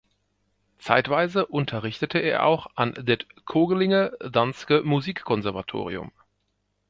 Zeitweise unterrichtete er auch an Det Kongelige Danske Musikkonservatorium.